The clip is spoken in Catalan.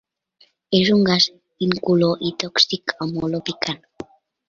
És un gas incolor i tòxic amb olor picant.